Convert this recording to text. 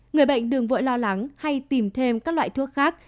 người bệnh đường vội lo lắng hay tìm thêm các loại thuốc khác